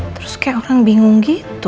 terus kayak orang bingung gitu